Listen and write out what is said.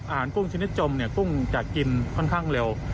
กุ้งชนิดจมเนี่ยกุ้งจะกินค่อนข้างเร็ว